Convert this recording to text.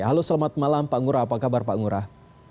halo selamat malam pak ngurah apa kabar pak ngurah